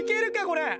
これ！